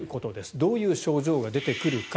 どういう症状が出てくるか。